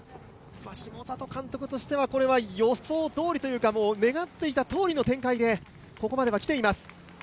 下里監督としては予想どおりというか願っていたとおりの展開でここまではきています。